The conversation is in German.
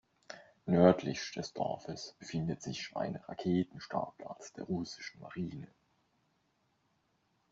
Nördlich des Dorfes befindet sich ein Raketenstartplatz der russischen Marine.